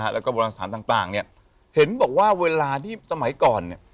แล้วก็โบราณสถานต่างเนี่ยเห็นบอกว่าเวลาที่สมัยก่อนเนี่ย